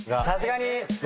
さすがに。